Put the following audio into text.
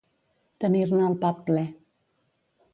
Tenir-ne el pap ple.